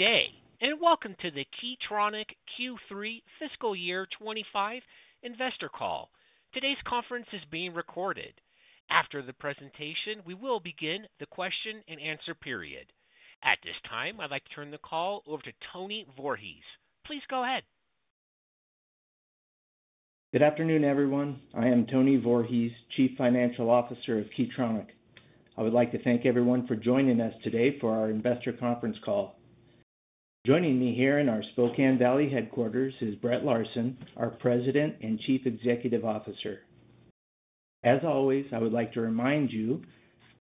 Today, and welcome to the Key Tronic Q3 Fiscal Year 2025 Investor Call. Today's conference is being recorded. After the presentation, we will begin the question-and-answer period. At this time, I'd like to turn the call over to Tony Voorhees. Please go ahead. Good afternoon, everyone. I am Tony Voorhees, Chief Financial Officer of Key Tronic. I would like to thank everyone for joining us today for our investor conference call. Joining me here in our Spokane Valley headquarters is Brett Larsen, our President and Chief Executive Officer. As always, I would like to remind you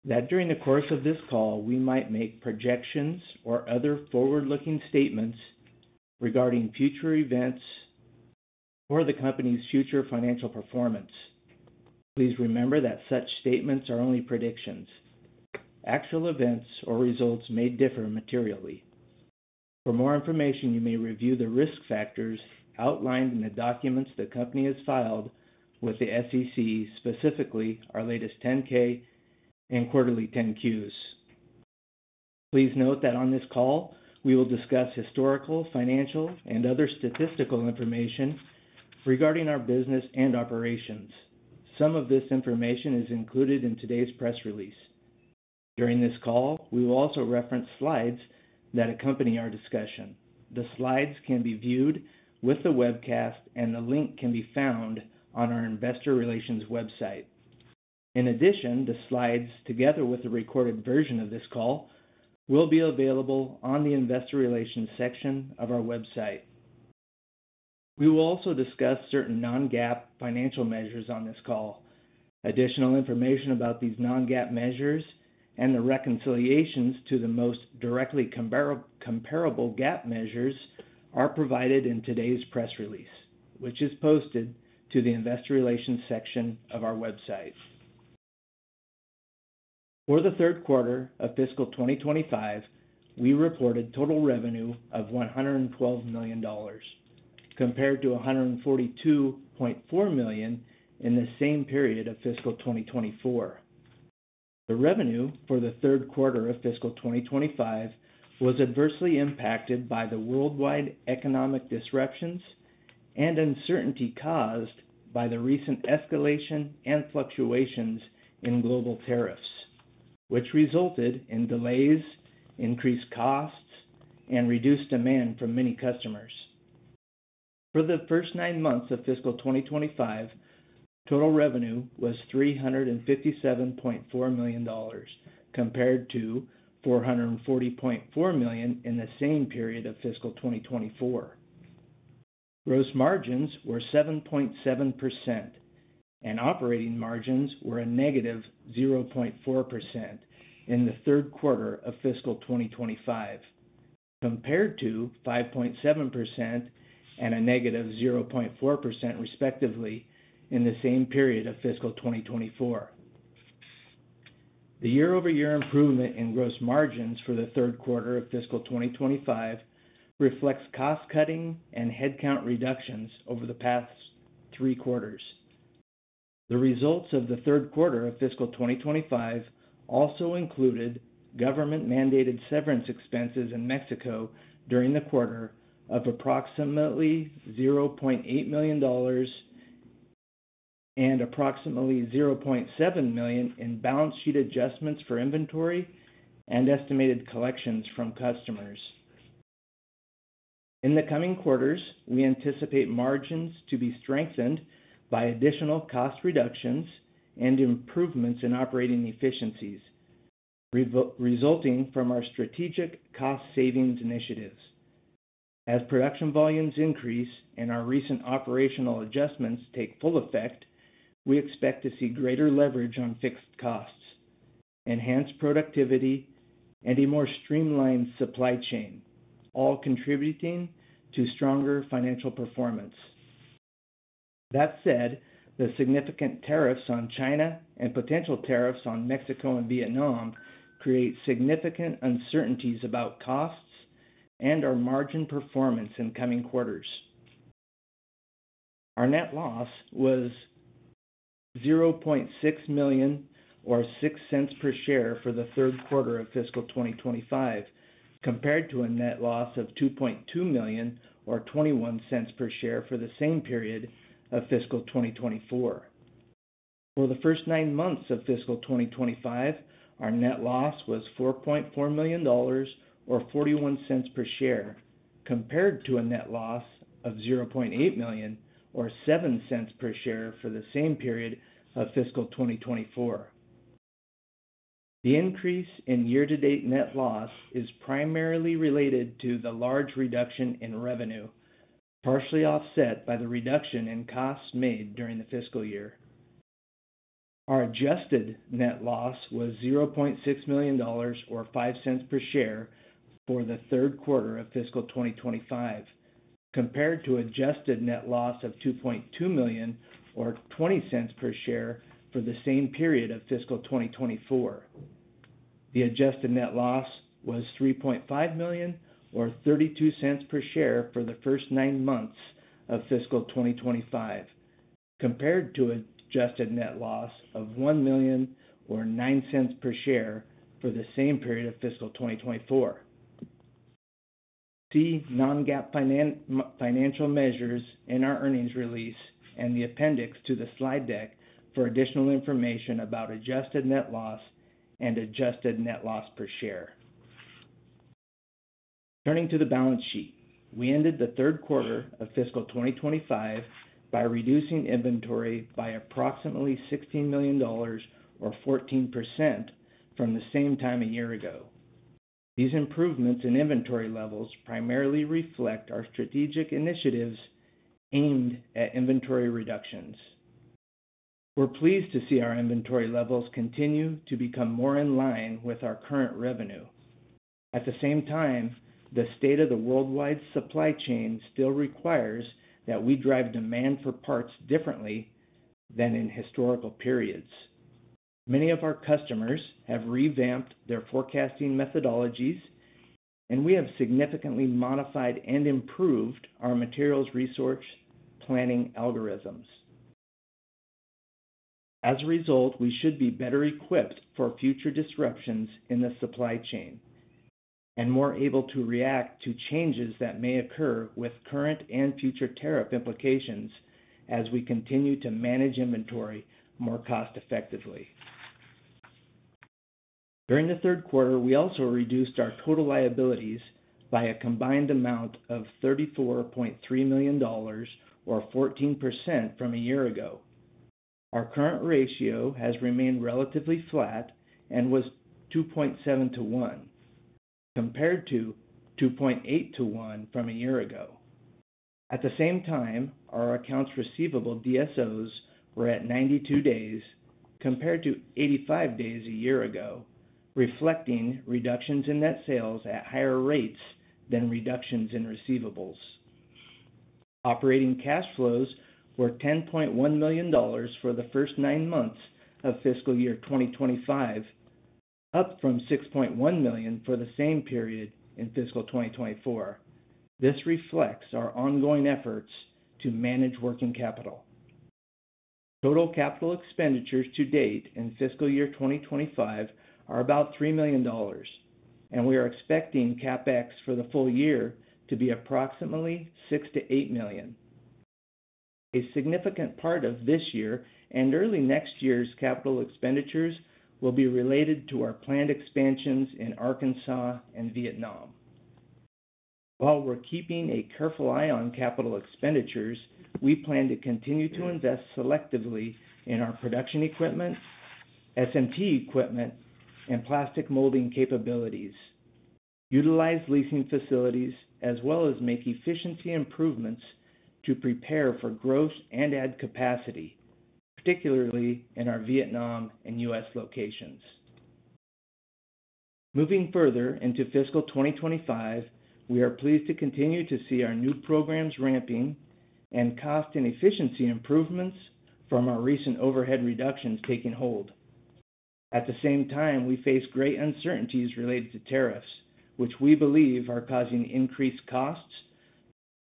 that during the course of this call, we might make projections or other forward-looking statements regarding future events or the company's future financial performance. Please remember that such statements are only predictions. Actual events or results may differ materially. For more information, you may review the risk factors outlined in the documents the company has filed with the SEC, specifically our latest 10-K and quarterly 10-Qs. Please note that on this call, we will discuss historical, financial, and other statistical information regarding our business and operations. Some of this information is included in today's press release. During this call, we will also reference slides that accompany our discussion. The slides can be viewed with the webcast, and the link can be found on our investor relations website. In addition, the slides, together with the recorded version of this call, will be available on the investor relations section of our website. We will also discuss certain non-GAAP financial measures on this call. Additional information about these non-GAAP measures and the reconciliations to the most directly comparable GAAP measures are provided in today's press release, which is posted to the investor relations section of our website. For the third quarter of fiscal 2025, we reported total revenue of $112 million compared to $142.4 million in the same period of fiscal 2024. The revenue for the third quarter of fiscal 2025 was adversely impacted by the worldwide economic disruptions and uncertainty caused by the recent escalation and fluctuations in global tariffs, which resulted in delays, increased costs, and reduced demand from many customers. For the first nine months of fiscal 2025, total revenue was $357.4 million compared to $440.4 million in the same period of fiscal 2024. Gross margins were 7.7%, and operating margins were a -0.4% in the third quarter of fiscal 2025, compared to 5.7% and a -0.4%, respectively, in the same period of fiscal 2024. The year-over-year improvement in gross margins for the third quarter of fiscal 2025 reflects cost-cutting and headcount reductions over the past three quarters. The results of the third quarter of fiscal 2025 also included government-mandated severance expenses in Mexico during the quarter of approximately $0.8 million and approximately $0.7 million in balance sheet adjustments for inventory and estimated collections from customers. In the coming quarters, we anticipate margins to be strengthened by additional cost reductions and improvements in operating efficiencies resulting from our strategic cost-savings initiatives. As production volumes increase and our recent operational adjustments take full effect, we expect to see greater leverage on fixed costs, enhanced productivity, and a more streamlined supply chain, all contributing to stronger financial performance. That said, the significant tariffs on China and potential tariffs on Mexico and Vietnam create significant uncertainties about costs and our margin performance in coming quarters. Our net loss was $0.6 million or $0.06 per share for the third quarter of fiscal 2025, compared to a net loss of $2.2 million or $0.21 per share for the same period of fiscal 2024. For the first nine months of fiscal 2025, our net loss was $4.4 million or $0.41 per share, compared to a net loss of $0.8 million or $0.07 per share for the same period of fiscal 2024. The increase in year-to-date net loss is primarily related to the large reduction in revenue, partially offset by the reduction in costs made during the fiscal year. Our adjusted net loss was $0.6 million or $0.05 per share for the third quarter of fiscal 2025, compared to an adjusted net loss of $2.2 million or $0.20 per share for the same period of fiscal 2024. The adjusted net loss was $3.5 million or $0.32 per share for the first nine months of fiscal 2025, compared to an adjusted net loss of $1 million or $0.09 per share for the same period of fiscal 2024. See non-GAAP financial measures in our earnings release and the appendix to the slide deck for additional information about adjusted net loss and adjusted net loss per share. Turning to the balance sheet, we ended the third quarter of fiscal 2025 by reducing inventory by approximately $16 million or 14% from the same time a year ago. These improvements in inventory levels primarily reflect our strategic initiatives aimed at inventory reductions. We're pleased to see our inventory levels continue to become more in line with our current revenue. At the same time, the state of the worldwide supply chain still requires that we drive demand for parts differently than in historical periods. Many of our customers have revamped their forecasting methodologies, and we have significantly modified and improved our materials resource planning algorithms. As a result, we should be better equipped for future disruptions in the supply chain and more able to react to changes that may occur with current and future tariff implications as we continue to manage inventory more cost-effectively. During the third quarter, we also reduced our total liabilities by a combined amount of $34.3 million or 14% from a year ago. Our current ratio has remained relatively flat and was 2.7-1, compared to 2.8-1 from a year ago. At the same time, our accounts receivable DSOs were at 92 days compared to 85 days a year ago, reflecting reductions in net sales at higher rates than reductions in receivables. Operating cash flows were $10.1 million for the first nine months of fiscal year 2025, up from $6.1 million for the same period in fiscal 2024. This reflects our ongoing efforts to manage working capital. Total capital expenditures to date in fiscal year 2025 are about $3 million, and we are expecting CapEx for the full year to be approximately $6 million-$8 million. A significant part of this year and early next year's capital expenditures will be related to our planned expansions in Arkansas and Vietnam. While we're keeping a careful eye on capital expenditures, we plan to continue to invest selectively in our production equipment, SMT equipment, and plastic molding capabilities, utilize leasing facilities, as well as make efficiency improvements to prepare for growth and add capacity, particularly in our Vietnam and U.S. locations. Moving further into fiscal 2025, we are pleased to continue to see our new programs ramping and cost and efficiency improvements from our recent overhead reductions taking hold. At the same time, we face great uncertainties related to tariffs, which we believe are causing increased costs,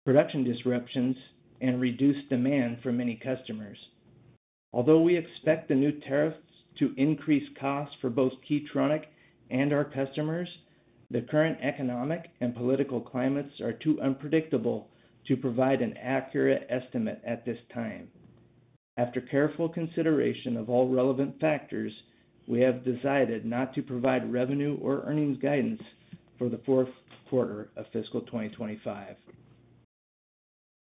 production disruptions, and reduced demand for many customers. Although we expect the new tariffs to increase costs for both Key Tronic and our customers, the current economic and political climates are too unpredictable to provide an accurate estimate at this time. After careful consideration of all relevant factors, we have decided not to provide revenue or earnings guidance for the fourth quarter of fiscal 2025.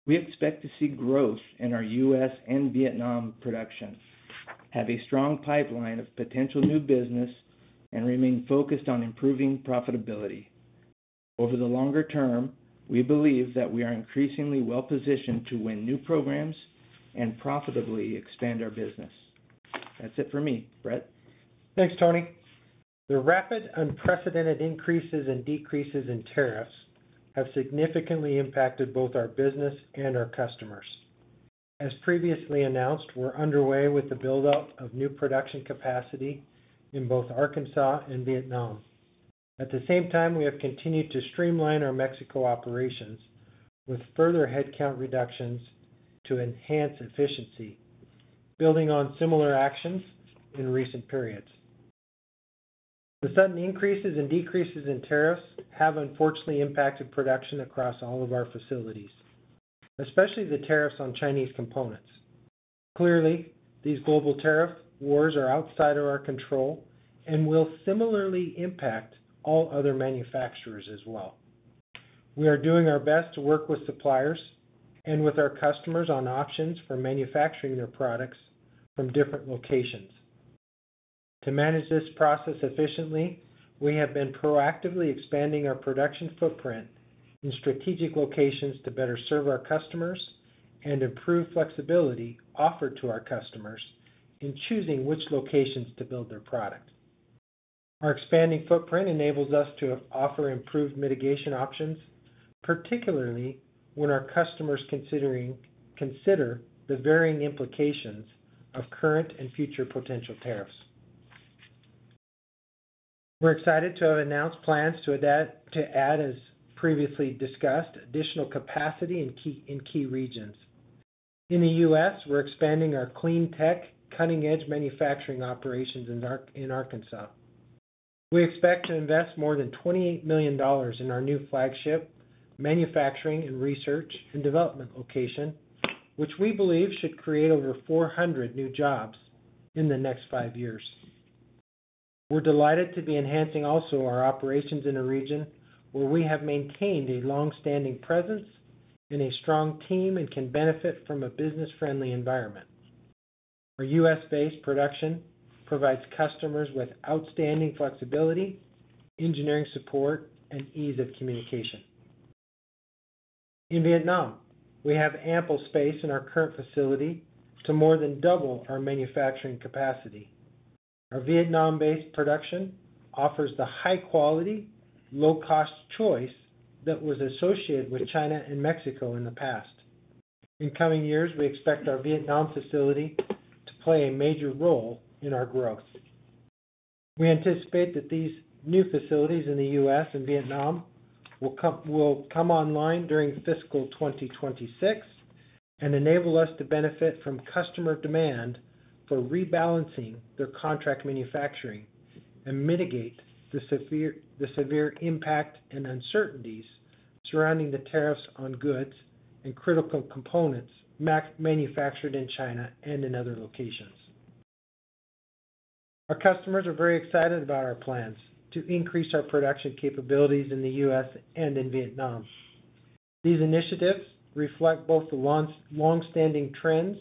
We expect to see growth in our U.S. and Vietnam production, have a strong pipeline of potential new business, and remain focused on improving profitability. Over the longer term, we believe that we are increasingly well-positioned to win new programs and profitably expand our business. That's it for me, Brett. Thanks, Tony. The rapid, unprecedented increases and decreases in tariffs have significantly impacted both our business and our customers. As previously announced, we're underway with the build-up of new production capacity in both Arkansas and Vietnam. At the same time, we have continued to streamline our Mexico operations with further headcount reductions to enhance efficiency, building on similar actions in recent periods. The sudden increases and decreases in tariffs have unfortunately impacted production across all of our facilities, especially the tariffs on Chinese components. Clearly, these global tariff wars are outside of our control and will similarly impact all other manufacturers as well. We are doing our best to work with suppliers and with our customers on options for manufacturing their products from different locations. To manage this process efficiently, we have been proactively expanding our production footprint in strategic locations to better serve our customers and improve flexibility offered to our customers in choosing which locations to build their product. Our expanding footprint enables us to offer improved mitigation options, particularly when our customers consider the varying implications of current and future potential tariffs. We're excited to have announced plans to add, as previously discussed, additional capacity in key regions. In the U.S., we're expanding our clean tech, cutting-edge manufacturing operations in Arkansas. We expect to invest more than $28 million in our new flagship manufacturing and research and development location, which we believe should create over 400 new jobs in the next five years. We're delighted to be enhancing also our operations in a region where we have maintained a long-standing presence and a strong team and can benefit from a business-friendly environment. Our U.S.-based production provides customers with outstanding flexibility, engineering support, and ease of communication. In Vietnam, we have ample space in our current facility to more than double our manufacturing capacity. Our Vietnam-based production offers the high-quality, low-cost choice that was associated with China and Mexico in the past. In coming years, we expect our Vietnam facility to play a major role in our growth. We anticipate that these new facilities in the U.S. and Vietnam will come online during fiscal 2026 and enable us to benefit from customer demand for rebalancing their contract manufacturing and mitigate the severe impact and uncertainties surrounding the tariffs on goods and critical components manufactured in China and in other locations. Our customers are very excited about our plans to increase our production capabilities in the U.S. and in Vietnam. These initiatives reflect both the long-standing trends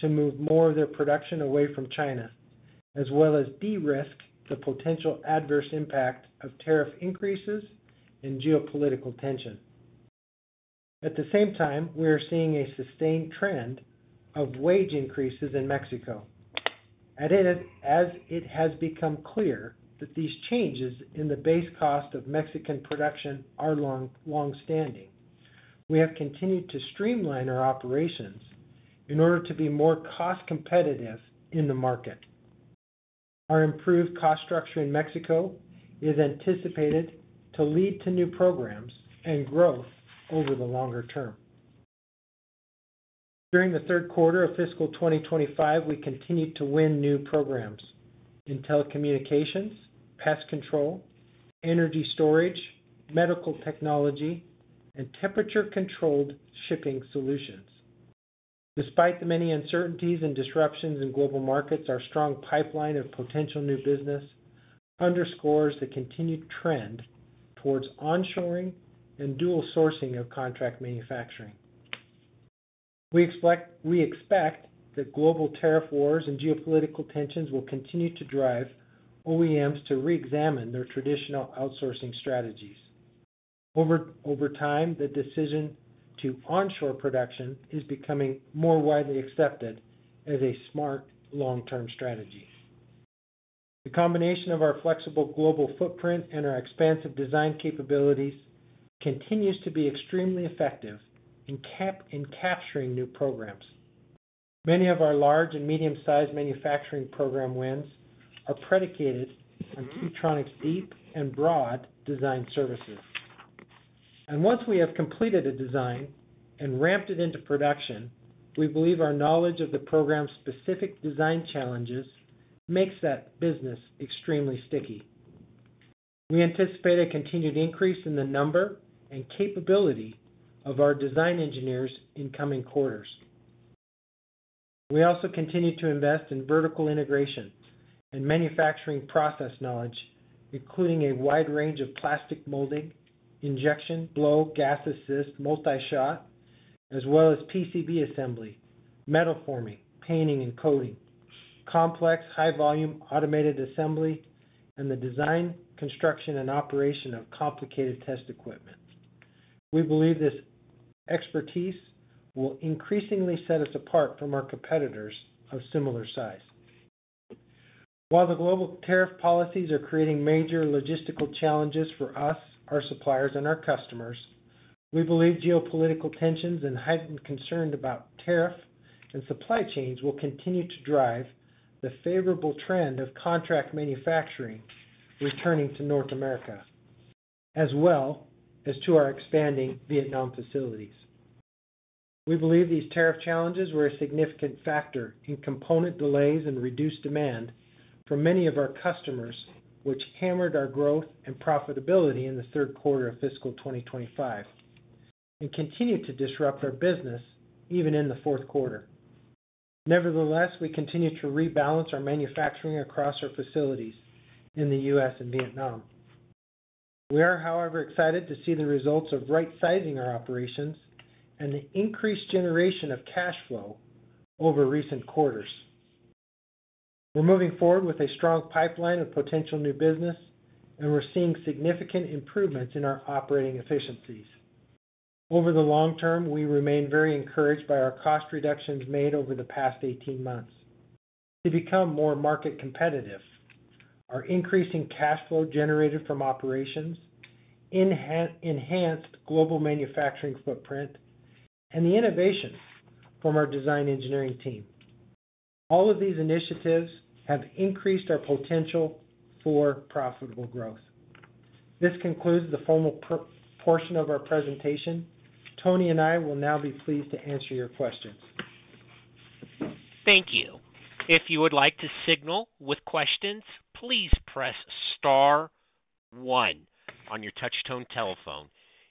to move more of their production away from China, as well as de-risk the potential adverse impact of tariff increases and geopolitical tension. At the same time, we are seeing a sustained trend of wage increases in Mexico. As it has become clear that these changes in the base cost of Mexican production are long-standing, we have continued to streamline our operations in order to be more cost-competitive in the market. Our improved cost structure in Mexico is anticipated to lead to new programs and growth over the longer term. During the third quarter of fiscal 2025, we continued to win new programs in telecommunications, pest control, energy storage, medical technology, and temperature-controlled shipping solutions. Despite the many uncertainties and disruptions in global markets, our strong pipeline of potential new business underscores the continued trend towards onshoring and dual sourcing of contract manufacturing. We expect that global tariff wars and geopolitical tensions will continue to drive OEMs to re-examine their traditional outsourcing strategies. Over time, the decision to onshore production is becoming more widely accepted as a smart long-term strategy. The combination of our flexible global footprint and our expansive design capabilities continues to be extremely effective in capturing new programs. Many of our large and medium-sized manufacturing program wins are predicated on Key Tronic's deep and broad design services. Once we have completed a design and ramped it into production, we believe our knowledge of the program's specific design challenges makes that business extremely sticky. We anticipate a continued increase in the number and capability of our design engineers in coming quarters. We also continue to invest in vertical integration and manufacturing process knowledge, including a wide range of plastic molding, injection, blow, gas-assist, multi-shot, as well as PCB assembly, metal forming, painting and coating, complex high-volume automated assembly, and the design, construction, and operation of complicated test equipment. We believe this expertise will increasingly set us apart from our competitors of similar size. While the global tariff policies are creating major logistical challenges for us, our suppliers, and our customers, we believe geopolitical tensions and heightened concern about tariff and supply chains will continue to drive the favorable trend of contract manufacturing returning to North America, as well as to our expanding Vietnam facilities. We believe these tariff challenges were a significant factor in component delays and reduced demand for many of our customers, which hammered our growth and profitability in the third quarter of fiscal 2025 and continued to disrupt our business even in the fourth quarter. Nevertheless, we continue to rebalance our manufacturing across our facilities in the U.S. and Vietnam. We are, however, excited to see the results of right-sizing our operations and the increased generation of cash flow over recent quarters. We're moving forward with a strong pipeline of potential new business, and we're seeing significant improvements in our operating efficiencies. Over the long term, we remain very encouraged by our cost reductions made over the past 18 months to become more market competitive. Our increasing cash flow generated from operations, enhanced global manufacturing footprint, and the innovation from our design engineering team. All of these initiatives have increased our potential for profitable growth. This concludes the formal portion of our presentation. Tony and I will now be pleased to answer your questions. Thank you. If you would like to signal with questions, please press star one on your touch-tone telephone.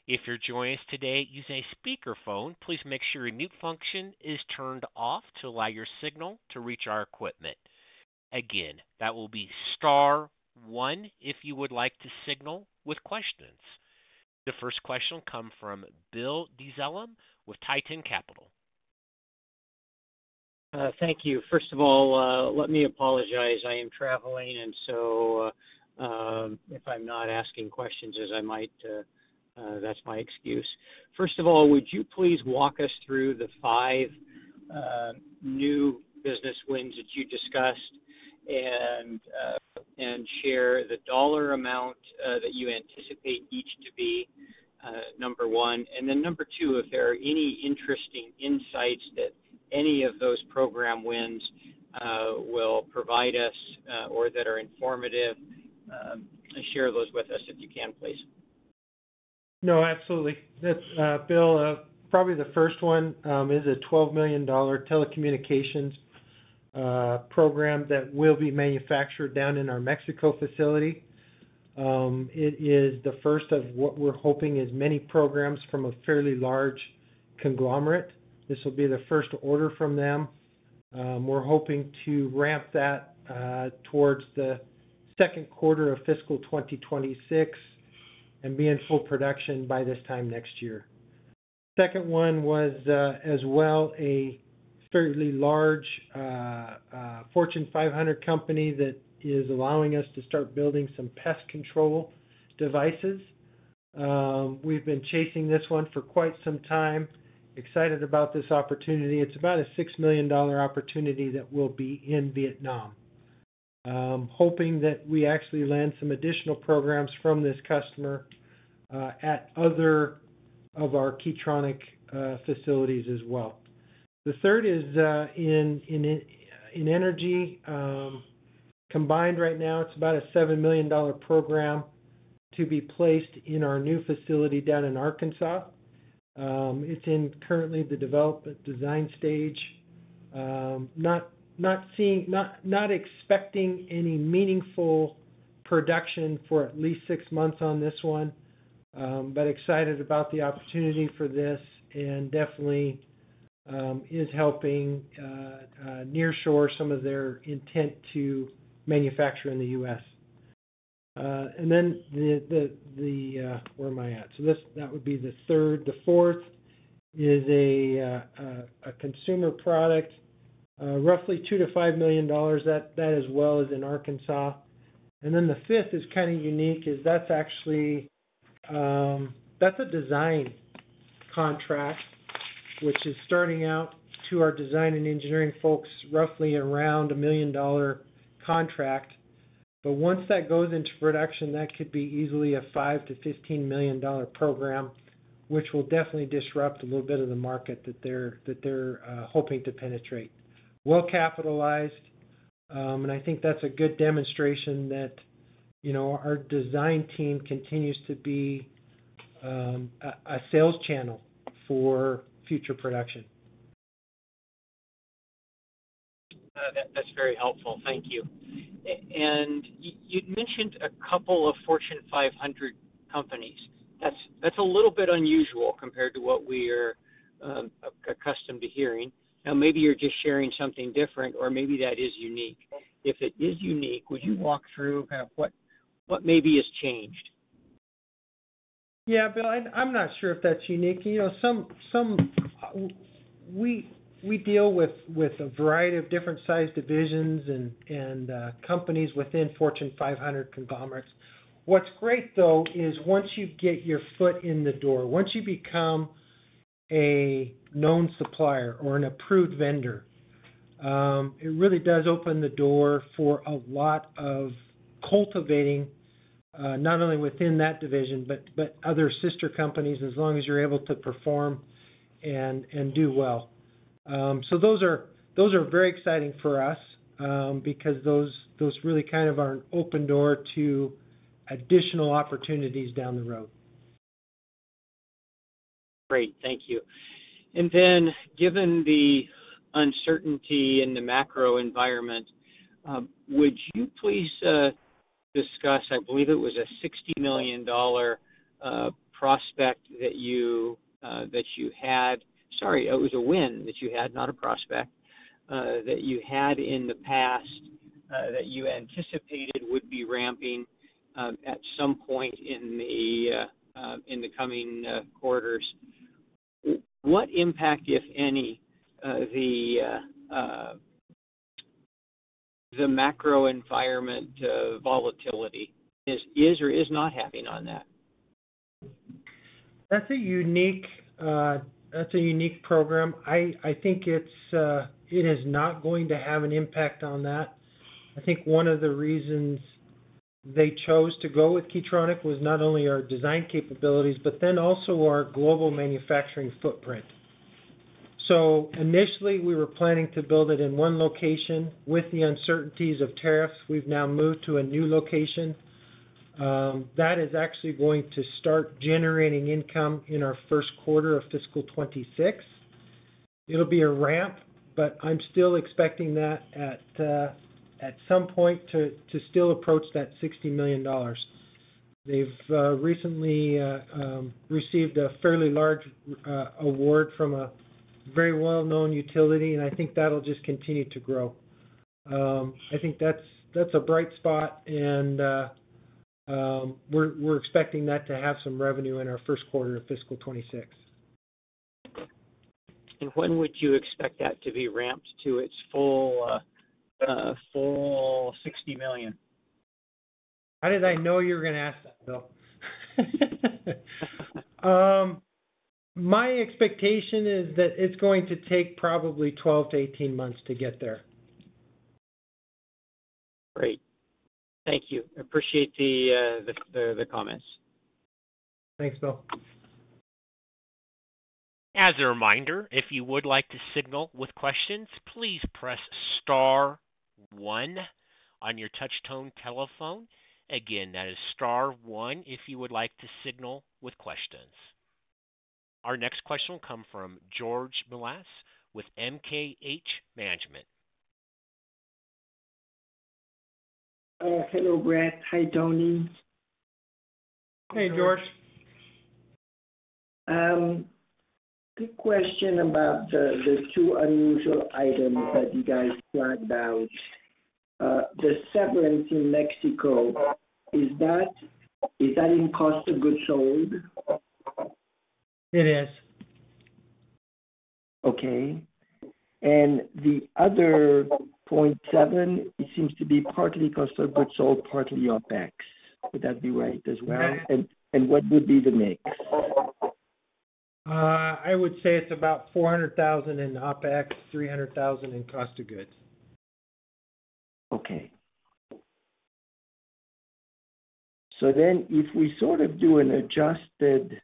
If you're joining us today using a speakerphone, please make sure your mute function is turned off to allow your signal to reach our equipment. Again, that will be star one if you would like to signal with questions. The first question will come from Bill Dezellem with Titan Capital. Thank you. First of all, let me apologize. I am traveling, and so if I'm not asking questions as I might, that's my excuse. First of all, would you please walk us through the five new business wins that you discussed and share the dollar amount that you anticipate each to be, number one? And then number two, if there are any interesting insights that any of those program wins will provide us or that are informative, share those with us if you can, please. No, absolutely. Bill, probably the first one is a $12 million telecommunications program that will be manufactured down in our Mexico facility. It is the first of what we're hoping is many programs from a fairly large conglomerate. This will be the first order from them. We're hoping to ramp that towards the second quarter of fiscal 2026 and be in full production by this time next year. The second one was as well a fairly large Fortune 500 company that is allowing us to start building some pest control devices. We've been chasing this one for quite some time. Excited about this opportunity. It's about a $6 million opportunity that will be in Vietnam. Hoping that we actually land some additional programs from this customer at other of our Key Tronic facilities as well. The third is in energy combined right now. It's about a $7 million program to be placed in our new facility down in Arkansas. It's currently in the development design stage. Not expecting any meaningful production for at least six months on this one, but excited about the opportunity for this and definitely is helping nearshore some of their intent to manufacture in the U.S. Where am I at? That would be the third. The fourth is a consumer product, roughly $2 million-$5 million. That as well is in Arkansas. The fifth is kind of unique, that's a design contract, which is starting out to our design and engineering folks, roughly around a $1 million contract. Once that goes into production, that could be easily a $5 million-$15 million program, which will definitely disrupt a little bit of the market that they're hoping to penetrate. Capitalized, and I think that's a good demonstration that our design team continues to be a sales channel for future production. That's very helpful. Thank you. You mentioned a couple of Fortune 500 companies. That's a little bit unusual compared to what we are accustomed to hearing. Maybe you're just sharing something different, or maybe that is unique. If it is unique, would you walk through kind of what maybe has changed? Yeah, Bill, I'm not sure if that's unique. We deal with a variety of different size divisions and companies within Fortune 500 conglomerates. What's great, though, is once you get your foot in the door, once you become a known supplier or an approved vendor, it really does open the door for a lot of cultivating not only within that division, but other sister companies as long as you're able to perform and do well. Those are very exciting for us because those really kind of are an open door to additional opportunities down the road. Great. Thank you. Given the uncertainty in the macro environment, would you please discuss—I believe it was a $60 million prospect that you had—sorry, it was a win that you had, not a prospect—that you had in the past that you anticipated would be ramping at some point in the coming quarters. What impact, if any, the macro environment volatility is or is not having on that? That's a unique program. I think it is not going to have an impact on that. I think one of the reasons they chose to go with Key Tronic was not only our design capabilities, but then also our global manufacturing footprint. Initially, we were planning to build it in one location. With the uncertainties of tariffs, we have now moved to a new location. That is actually going to start generating income in our first quarter of fiscal 2026. It will be a ramp, but I am still expecting that at some point to still approach that $60 million. They have recently received a fairly large award from a very well-known utility, and I think that will just continue to grow. I think that is a bright spot, and we are expecting that to have some revenue in our first quarter of fiscal 2026. When would you expect that to be ramped to its full $60 million? How did I know you were going to ask that, Bill? My expectation is that it's going to take probably 12-18 months to get there. Great. Thank you. Appreciate the comments. Thanks, Bill. As a reminder, if you would like to signal with questions, please press star 1 on your touch-tone telephone. Again, that is star one if you would like to signal with questions. Our next question will come from George Bellas with MKH Management. Hello, Brett. Hi, Tony. Hey, George. Quick question about the two unusual items that you guys flagged out. The seventh in Mexico, is that in cost of goods sold? It is. Okay. The other 0.7, it seems to be partly cost of goods sold, partly OpEx. Would that be right as well? Yeah. What would be the mix? I would say it's about $400,000 in OpEx, $300,000 in cost of goods. Okay. So then if we sort of do an adjusted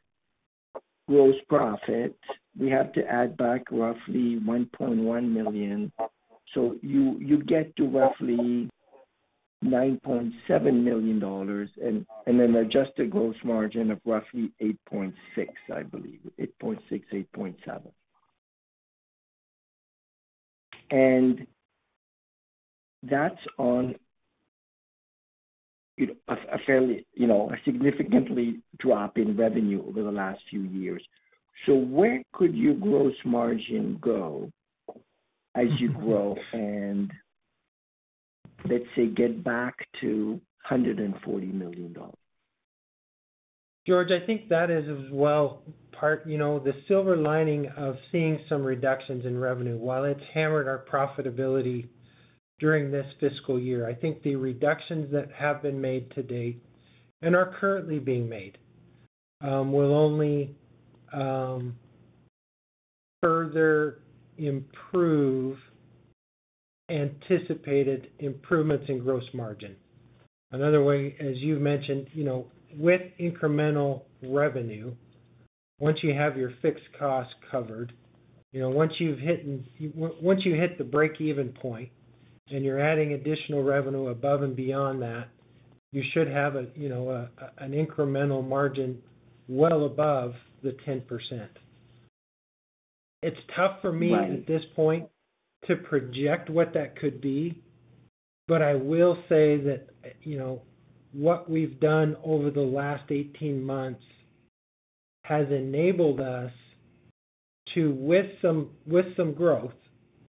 gross profit, we have to add back roughly $1.1 million. So you get to roughly $9.7 million and an adjusted gross margin of roughly 8.6%, I believe. 8.6%, 8.7%. That is on a significantly drop in revenue over the last few years. Where could your gross margin go as you grow and, let's say, get back to $140 million? George, I think that is as well part the silver lining of seeing some reductions in revenue. While it's hammered our profitability during this fiscal year, I think the reductions that have been made to date and are currently being made will only further improve anticipated improvements in gross margin. Another way, as you've mentioned, with incremental revenue, once you have your fixed costs covered, once you've hit the break-even point and you're adding additional revenue above and beyond that, you should have an incremental margin well above the 10%. It's tough for me at this point to project what that could be, but I will say that what we've done over the last 18 months has enabled us to, with some growth,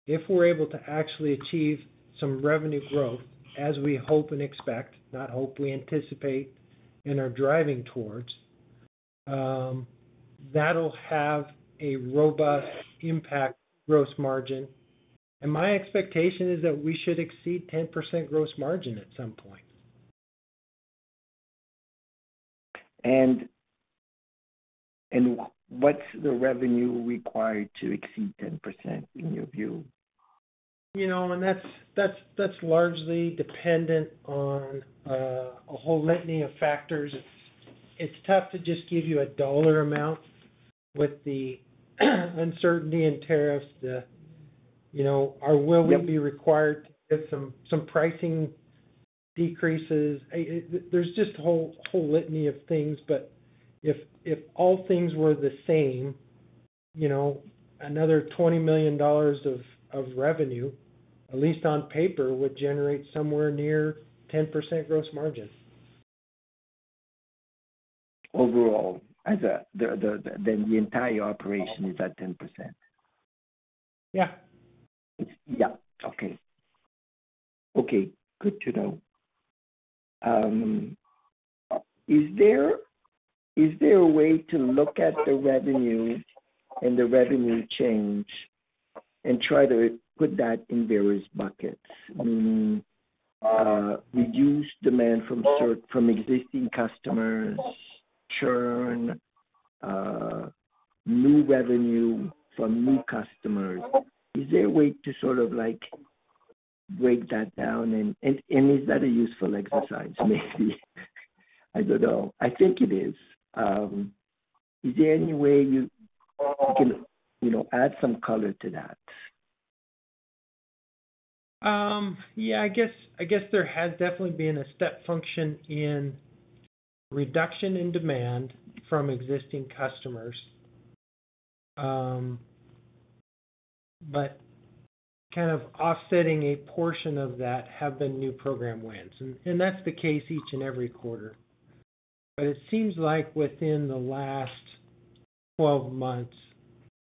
if we're able to actually achieve some revenue growth as we hope and expect, not hope, we anticipate and are driving towards, that'll have a robust impact gross margin. My expectation is that we should exceed 10% gross margin at some point. What's the revenue required to exceed 10% in your view? That's largely dependent on a whole litany of factors. It's tough to just give you a dollar amount with the uncertainty in tariffs. Will we be required to get some pricing decreases? There's just a whole litany of things, but if all things were the same, another $20 million of revenue, at least on paper, would generate somewhere near 10% gross margin. Overall, then the entire operation is at 10%? Yeah. Yeah. Okay. Okay. Good to know. Is there a way to look at the revenue and the revenue change and try to put that in various buckets, meaning reduced demand from existing customers, churn, new revenue from new customers? Is there a way to sort of break that down? Is that a useful exercise maybe? I do not know. I think it is. Is there any way you can add some color to that? Yeah. I guess there has definitely been a step function in reduction in demand from existing customers, but kind of offsetting a portion of that have been new program wins. That's the case each and every quarter. It seems like within the last 12 months,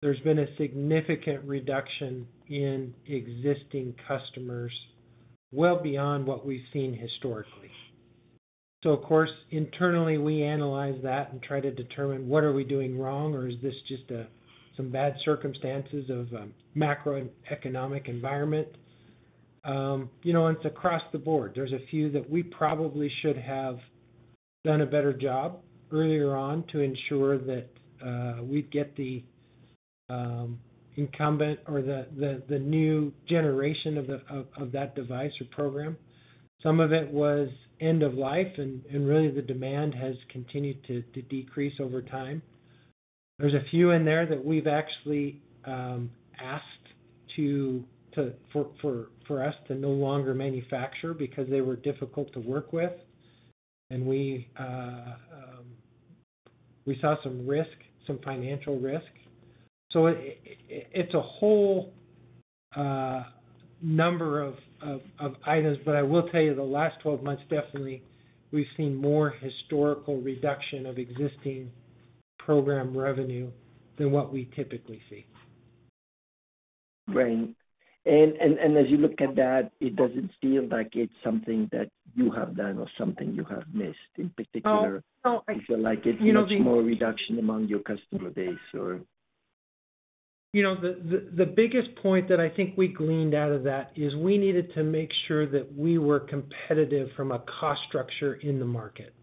there's been a significant reduction in existing customers well beyond what we've seen historically. Of course, internally, we analyze that and try to determine what are we doing wrong or is this just some bad circumstances of a macroeconomic environment. It's across the board. There's a few that we probably should have done a better job earlier on to ensure that we'd get the incumbent or the new generation of that device or program. Some of it was end of life, and really the demand has continued to decrease over time. There's a few in there that we've actually asked for us to no longer manufacture because they were difficult to work with, and we saw some risk, some financial risk. It is a whole number of items, but I will tell you the last 12 months, definitely, we've seen more historical reduction of existing program revenue than what we typically see. Right. As you look at that, it doesn't feel like it's something that you have done or something you have missed in particular? No. You feel like it's more reduction among your customer base or? The biggest point that I think we gleaned out of that is we needed to make sure that we were competitive from a cost structure in the market.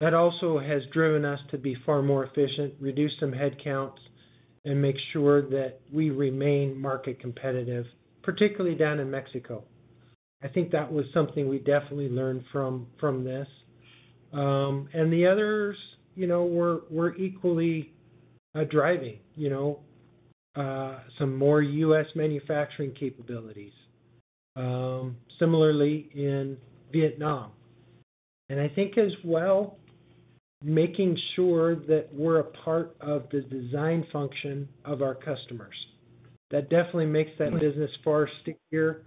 That also has driven us to be far more efficient, reduce some headcounts, and make sure that we remain market competitive, particularly down in Mexico. I think that was something we definitely learned from this. The others were equally driving some more U.S. manufacturing capabilities. Similarly, in Vietnam. I think as well, making sure that we're a part of the design function of our customers. That definitely makes that business far stickier.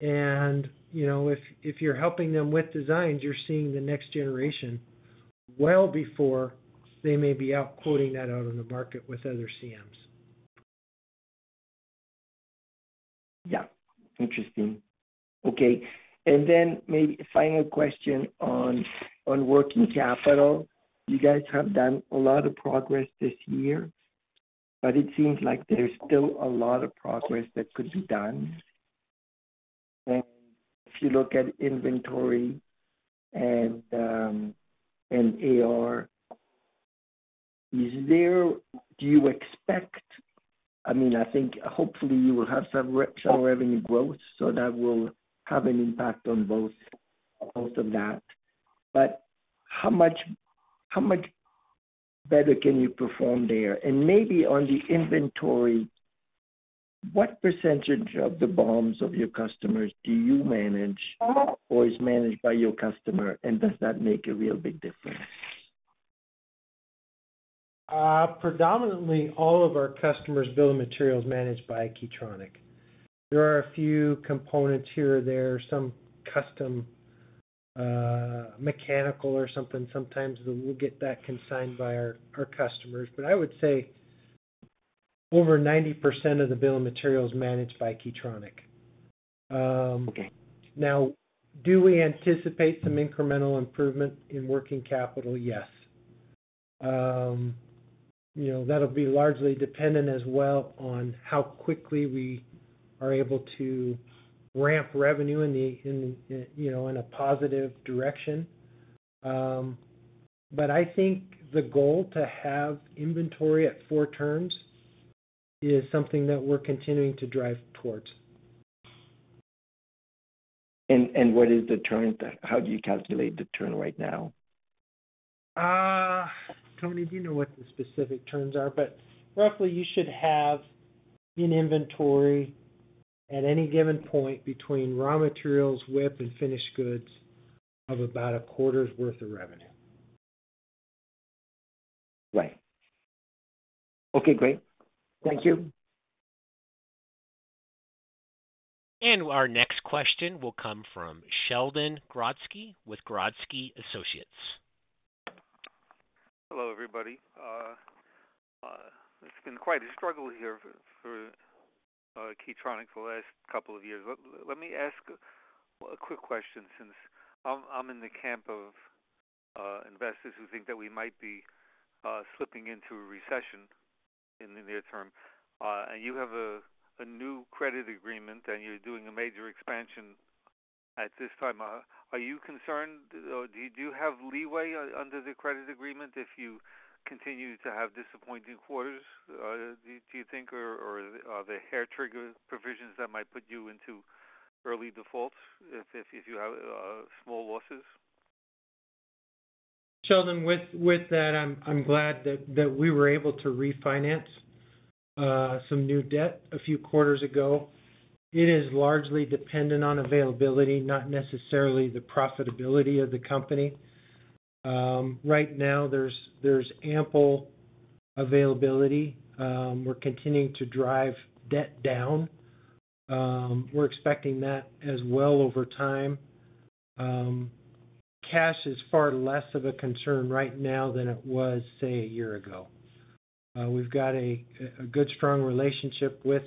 If you're helping them with designs, you're seeing the next generation well before they may be out quoting that out on the market with other CMs. Yeah. Interesting. Okay. Maybe a final question on working capital. You guys have done a lot of progress this year, but it seems like there's still a lot of progress that could be done. If you look at inventory and AR, do you expect—I mean, I think hopefully you will have some revenue growth, so that will have an impact on both of that. How much better can you perform there? Maybe on the inventory, what percentage of the BOMs of your customers do you manage or is managed by your customer, and does that make a real big difference? Predominantly, all of our customers' bill of materials are managed by Key Tronic. There are a few components here or there, some custom mechanical or something. Sometimes we'll get that consigned by our customers. I would say over 90% of the bill of materials are managed by Key Tronic. Now, do we anticipate some incremental improvement in working capital? Yes. That'll be largely dependent as well on how quickly we are able to ramp revenue in a positive direction. I think the goal to have inventory at four turns is something that we're continuing to drive towards. What is the churn? How do you calculate the churn right now? Tony, do you know what the specific terms are? But roughly, you should have an inventory at any given point between raw materials, WIP, and finished goods of about a quarter's worth of revenue. Right. Okay. Great. Thank you. Our next question will come from Sheldon Grodsky with Grodsky Associates. Hello, everybody. It's been quite a struggle here for Key Tronic for the last couple of years. Let me ask a quick question since I'm in the camp of investors who think that we might be slipping into a recession in the near term. You have a new credit agreement, and you're doing a major expansion at this time. Are you concerned? Do you have leeway under the credit agreement if you continue to have disappointing quarters, do you think, or are there hair-trigger provisions that might put you into early defaults if you have small losses? Sheldon, with that, I'm glad that we were able to refinance some new debt a few quarters ago. It is largely dependent on availability, not necessarily the profitability of the company. Right now, there's ample availability. We're continuing to drive debt down. We're expecting that as well over time. Cash is far less of a concern right now than it was, say, a year ago. We've got a good, strong relationship with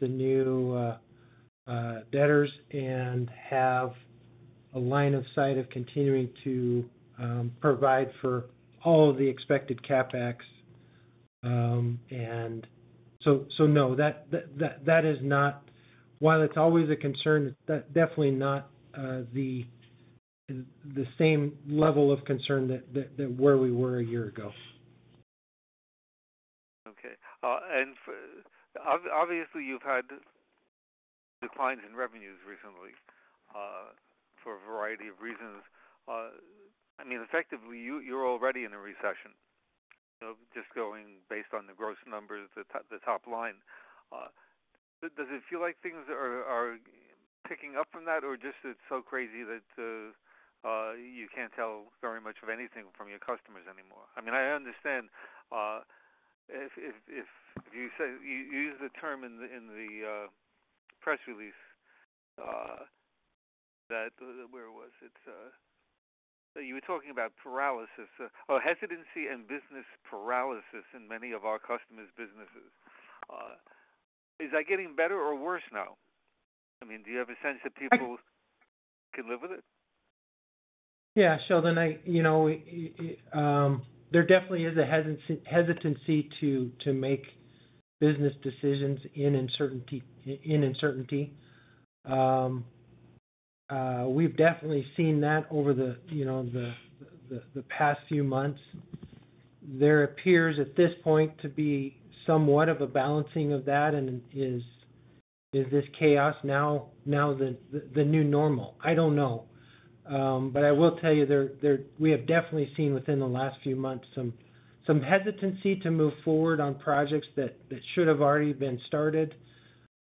the new debtors and have a line of sight of continuing to provide for all of the expected CapEx. No, that is not—while it's always a concern, it's definitely not the same level of concern where we were a year ago. Okay. Obviously, you've had declines in revenues recently for a variety of reasons. I mean, effectively, you're already in a recession, just going based on the gross numbers, the top line. Does it feel like things are picking up from that, or just it's so crazy that you can't tell very much of anything from your customers anymore? I mean, I understand if you use the term in the press release that—where was it? You were talking about paralysis or hesitancy and business paralysis in many of our customers' businesses. Is that getting better or worse now? I mean, do you have a sense that people can live with it? Yeah. Sheldon, there definitely is a hesitancy to make business decisions in uncertainty. We've definitely seen that over the past few months. There appears at this point to be somewhat of a balancing of that, and is this chaos now the new normal? I don't know. I will tell you we have definitely seen within the last few months some hesitancy to move forward on projects that should have already been started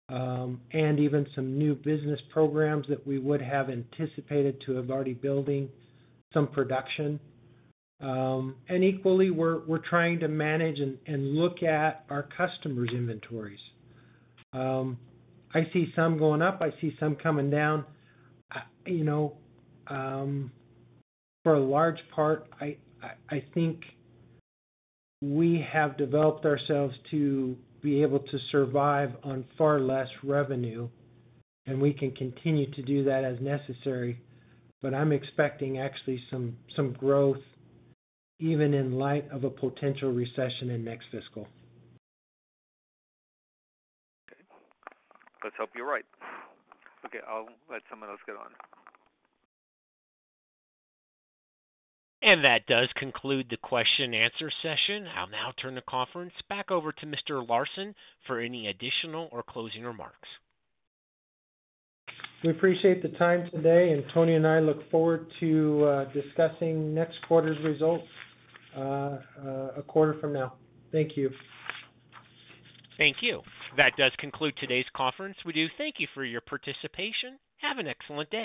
and even some new business programs that we would have anticipated to have already building some production. Equally, we're trying to manage and look at our customers' inventories. I see some going up. I see some coming down. For a large part, I think we have developed ourselves to be able to survive on far less revenue, and we can continue to do that as necessary. I'm expecting actually some growth even in light of a potential recession in next fiscal. Okay. Let's hope you're right. Okay. I'll let some of those get on. That does conclude the question-and-answer session. I'll now turn the conference back over to Mr. Larsen for any additional or closing remarks. We appreciate the time today. Tony and I look forward to discussing next quarter's results a quarter from now. Thank you. Thank you. That does conclude today's conference. We do thank you for your participation. Have an excellent day.